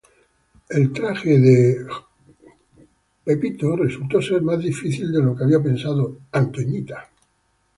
El traje de Affleck resultó ser más difícil de lo que había pensado Lowery.